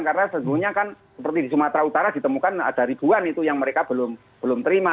karena sesungguhnya kan seperti di sumatera utara ditemukan ada ribuan itu yang mereka belum terima